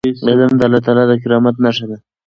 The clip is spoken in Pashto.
علم د الله تعالی د کرامت نښه ده.